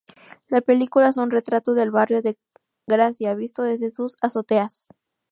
La película es un retrato del barrio de Gracia visto desde sus azoteas.